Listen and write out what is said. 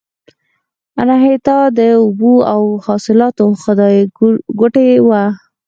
اناهیتا د اوبو او حاصلاتو خدایګوټې وه